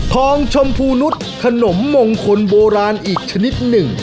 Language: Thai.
ชมพูนุษย์ขนมมงคลโบราณอีกชนิดหนึ่ง